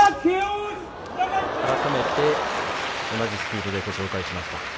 改めて同じスピードでご紹介しました。